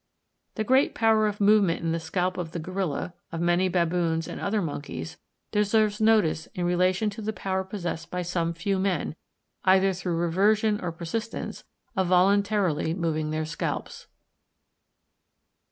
The great power of movement in the scalp of the gorilla, of many baboons and other monkeys, deserves notice in relation to the power possessed by some few men, either through reversion or persistence, of voluntarily moving their scalps.